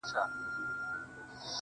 کمزوری سوئ يمه، څه رنگه دي ياده کړمه